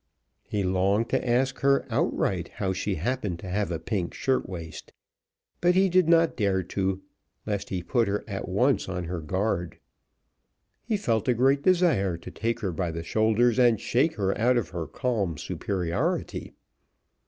He longed to ask her outright how she happened to have a pink shirt waist, but he did not dare to, lest he put her at once on her guard. He felt a great desire to take her by the shoulders and shake her out of her calm superiority.